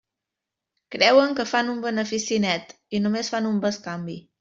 Creuen que fan un benefici net, i només fan un bescanvi.